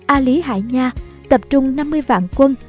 a lý hải nha tập trung năm mươi vạn quân